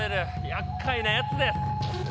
やっかいなやつです。